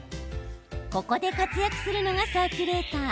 ここで活躍するのがサーキュレーター。